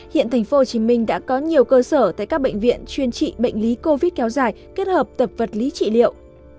hiện tp hcm đã có nhiều cơ sở tại các bệnh viện chuyên trị bệnh lý covid kéo dài kết hợp tập vật lý trị liệu